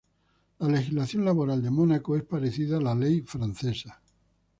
La legislación laboral de Mónaco es parecida a la ley francesa.